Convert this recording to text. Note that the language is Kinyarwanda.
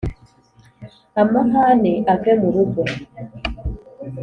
amahane ave mu rugo